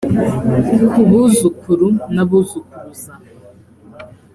ku buzukuru n abuzukuruza